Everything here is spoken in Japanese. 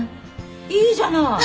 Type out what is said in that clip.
いいじゃない！